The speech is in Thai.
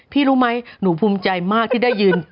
รู้ไหมหนูภูมิใจมากที่ได้ยืน